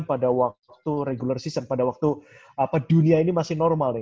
dan dipaksa pada waktu regular season pada waktu dunia ini masih normal nih